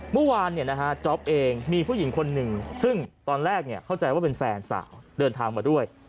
เมื่อวานจ๊อปเองมีผู้หญิงคนหนึ่งซึ่งตอนแรกเข้าใจว่าเป็นแฟนสาวเดินทางมาด้วย